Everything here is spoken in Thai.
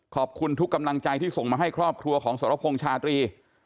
ขอบคุณทุกกำลังใจที่ส่งมาให้ครอบครัวของสรพงษ์ชาตรี